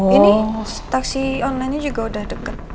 ini taksi onlinenya juga udah deket